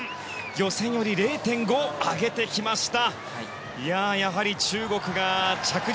予選より０．５上げてきました。